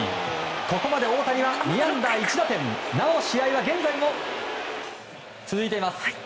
ここまで大谷は２安打１打点試合は現在も続いています。